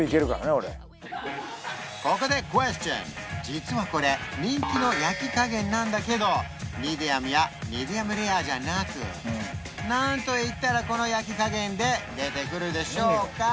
俺ここで実はこれ人気の焼き加減なんだけどミディアムやミディアムレアじゃなく何と言ったらこの焼き加減で出てくるでしょうか？